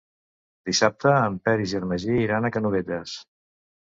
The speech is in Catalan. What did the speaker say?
Dissabte en Peris i en Magí iran a Canovelles.